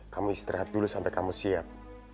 kamu istirahat dulu sampai kamu siap